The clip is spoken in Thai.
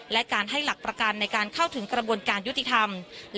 และการให้หลักประกันในการเข้าถึงกระบวนการยุติธรรม